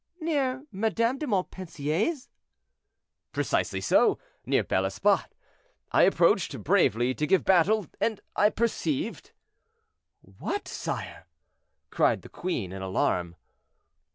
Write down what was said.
"Near Madame de Montpensier's?" "Precisely so, near Bel Esbat. I approached, bravely to give battle, and I perceived—" "What, sire?" cried the queen, in alarm.